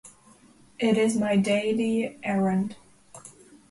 It is my daily errand.